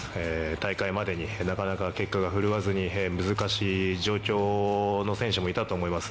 大会までになかなか結果が振るわずに難しい状況の選手もいたと思います。